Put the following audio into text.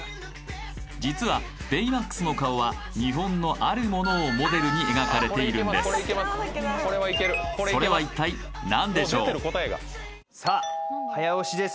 実はベイマックスの顔は日本のあるものをモデルに描かれているんですそれは一体何でしょうさあ早押しです